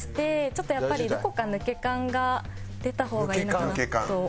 ちょっとやっぱりどこか抜け感が出た方がいいのかなと思ったので。